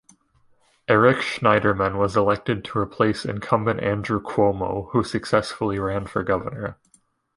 Eric Schneiderman was elected to replace incumbent Andrew Cuomo who successfully ran for governor.